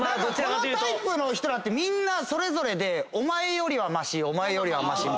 このタイプの人らってみんなそれぞれでお前よりはましお前よりはましみたいな。